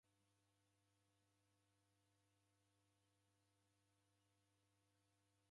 W'aja w'iko na icho kitiri w'ew'ona w'iuze.